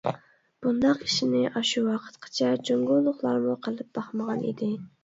بۇنداق ئىشنى ئاشۇ ۋاقىتقىچە جۇڭگولۇقلارمۇ قىلىپ باقمىغان ئىدى.